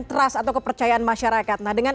trust atau kepercayaan masyarakat nah dengan